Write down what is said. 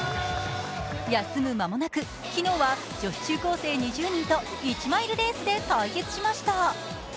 休む間もなく昨日は女子中高生２０人と１マイルレースで対決しました。